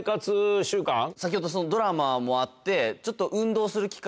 先ほどのそのドラマもあってちょっと。